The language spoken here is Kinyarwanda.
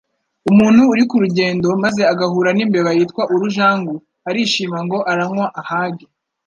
Umuntu uri ku rugendo, maze agahura n’imbeba yitwa Urujangu, arishima ngo aranywa ahage